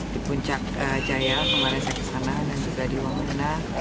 di puncak jaya kemarin saya kesana dan juga di wamena